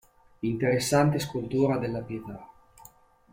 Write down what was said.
Interessante scultura della Pietà.